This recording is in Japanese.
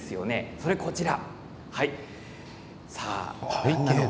それが、こちら。